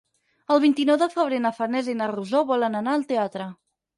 El vint-i-nou de febrer na Farners i na Rosó volen anar al teatre.